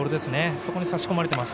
そこに差し込まれています。